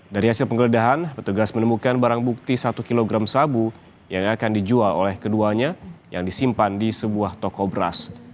dari hasil penggeledahan petugas menemukan barang bukti satu kg sabu yang akan dijual oleh keduanya yang disimpan di sebuah toko beras